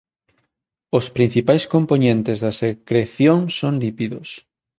Os principais compoñentes da secreción son lípidos.